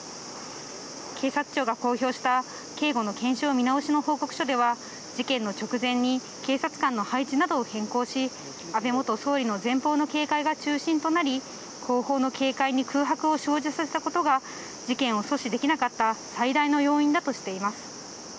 警察庁が公表した警護の検証見直しの報告書では、事件の直前に警察官の配置などを変更し、安倍元総理の前方の警戒が中心となり、後方の警戒に空白を生じさせたことが、事件を阻止できなかった最大の要因だとしています。